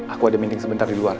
aku ada meeting sebentar di luar